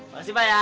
makasih pak ya